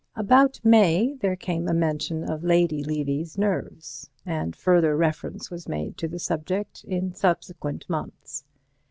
About May there came a mention of Lady Levy's nerves, and further reference was made to the subject in subsequent months.